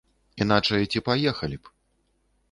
Іначай ці паехалі б?